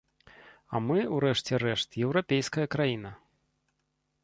А мы, у рэшце рэшт, еўрапейская краіна.